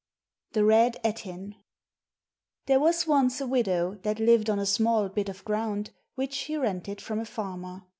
THE RED ETTIN THERE was once a widow that lived on a small bit of ground, which she rented from a farmer.